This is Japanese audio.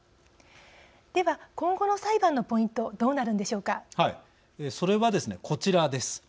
では今後の裁判のポイントそれはこちらです。